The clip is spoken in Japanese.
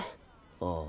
ああ。